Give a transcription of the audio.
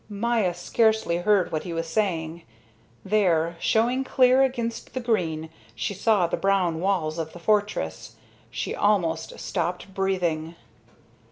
Maya scarcely heard what he was saying. There, showing clear against the green, she saw the brown walls of the fortress. She almost stopped breathing.